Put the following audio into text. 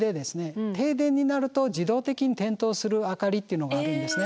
停電になると自動的に点灯する明かりっていうのがあるんですね。